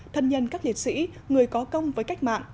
thân nhân các liệt sĩ người có công với cách mạng